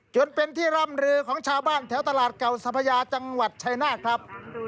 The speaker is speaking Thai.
จนเป็นที่ร่ำลือของชาวบ้านแถวตลาดเก่าสัพยาจังหวัดชายนาฏครับ